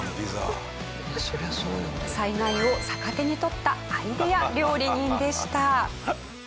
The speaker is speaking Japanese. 災害を逆手に取ったアイデア料理人でした。